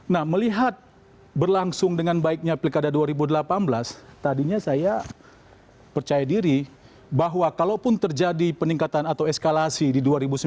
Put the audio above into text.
nah melihat berlangsung dengan baiknya pilkada dua ribu delapan belas tadinya saya percaya diri bahwa kalaupun terjadi peningkatan atau eskalasi di dua ribu sembilan belas